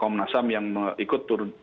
kemudian ada yang mengusut kasus ini